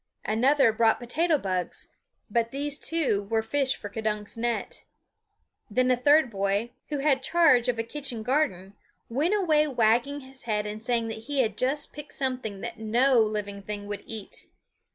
Another brought potato bugs; but these too were fish for K'dunk's net. Then a third boy, who had charge of a kitchen garden, went away wagging his head and saying that he had just picked something that no living thing would eat.